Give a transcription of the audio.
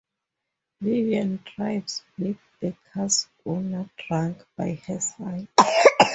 Vivian drives with the car's owner drunk by her side.